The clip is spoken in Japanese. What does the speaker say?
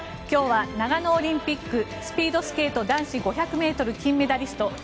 今日は長野オリンピックスピードスケート男子５００ｍ金メダリスト